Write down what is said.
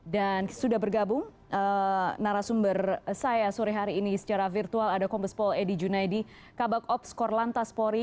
dan sudah bergabung narasumber saya sore hari ini secara virtual ada kompos pol edi junaidi kabak ops korlantas pori